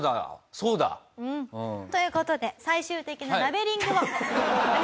そうだ。という事で最終的なラベリングをお願いします。